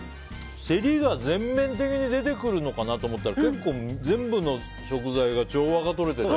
セリが全面的に出てくるのかなと思ったら結構全部の食材が調和がとれてて。